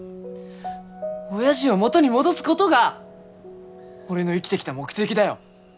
おやじを元に戻すごどが俺の生きてきた目的だよ。